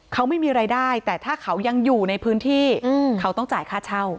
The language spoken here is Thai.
เขาไม่มีรายได้แต่ถ้าเขายังอยู่ในพื้นที่เขาต้องจ่ายค่าเช่า